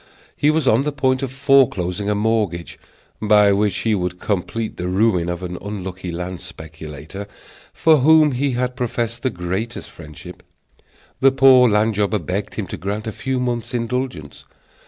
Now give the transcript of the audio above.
He was on the point of foreclosing a mortgage, by which he would complete the ruin of an unlucky land speculator for whom he had professed the greatest friendship. The poor land jobber begged him to grant a few months' indulgence.